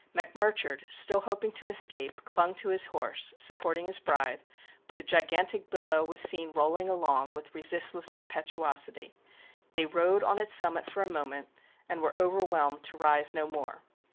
Mac Murchard, still hoping to escape, clung to his horse, supporting bis bride, but a gigantic billow was seen rolling along, with resistless im petuosityŌĆöthey rode on its summit for a moment, and were overwhelmed to rise no more.